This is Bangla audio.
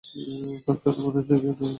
কানসাসের মানুষদের জন্য।